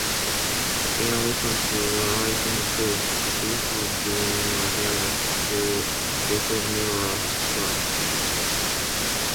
In addition to writing books, he has been a journalist for "Record Mirror", "Kerrang!